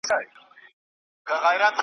کیسه دي راوړه راته قدیمه .